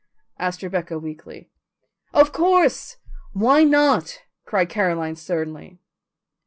asked Rebecca weakly. "Of course! Why not?" cried Caroline sternly.